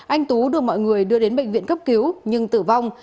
anh tú được mọi người đưa đến bệnh viện cấp cứu nhưng tử vong